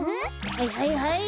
はいはいはい。